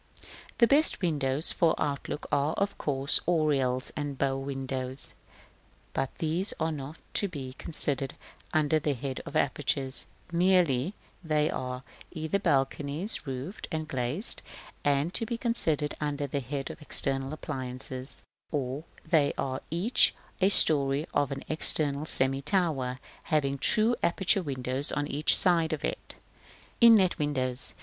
The best windows for outlook are, of course, oriels and bow windows, but these are not to be considered under the head of apertures merely; they are either balconies roofed and glazed, and to be considered under the head of external appliances, or they are each a story of an external semi tower, having true aperture windows on each side of it. § XII. 2. Inlet windows.